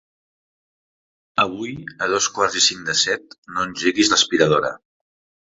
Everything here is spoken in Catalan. Avui a dos quarts i cinc de set no engeguis l'aspiradora.